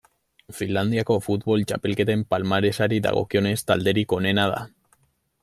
Finlandiako futbol txapelketen palmaresari dagokionez talderik onena da.